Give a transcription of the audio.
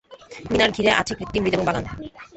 মিনার ঘিরে আছে কৃত্রিম হ্রদ এবং বাগান।